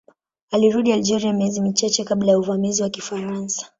Alirudi Algeria miezi michache kabla ya uvamizi wa Kifaransa.